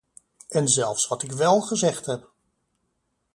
En zelfs wat ik wel gezegd heb...